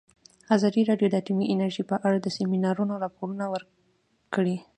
ازادي راډیو د اټومي انرژي په اړه د سیمینارونو راپورونه ورکړي.